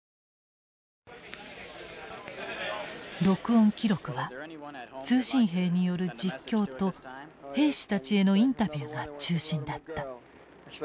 録音記録は通信兵による実況と兵士たちへのインタビューが中心だった。